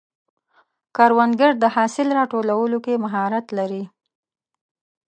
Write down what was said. کروندګر د حاصل راټولولو کې مهارت لري